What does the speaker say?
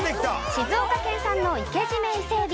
静岡県産の生け締め伊勢海老。